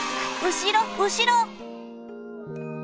後ろ後ろ！